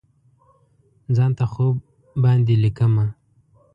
ځان ته خوب باندې لیکمه